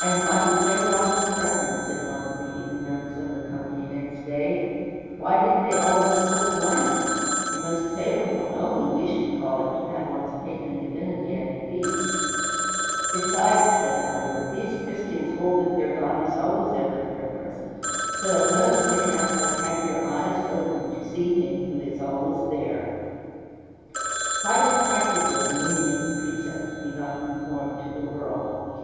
"And what if their God were present?" said one of the heathen members of the company, next day. "Why did they all look so blank? A most favorable omen, we should call it, to have one's patron divinity at a feast." "Besides," said another, "these Christians hold that their God is always everywhere present; so, at most, they have but had their eyes opened to see Him who is always there!" What is practically the meaning of the precept, "Be not conformed to the world"?